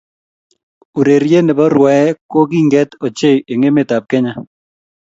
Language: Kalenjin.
Urerie ne bo rwae ko kinget ochei eng emet ab Kenya.